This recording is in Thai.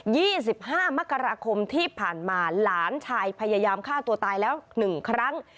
๒๕มกราคมที่ผ่านมาหลานชายพยายามฆ่าตัวตายแล้วหนึ่งครั้ง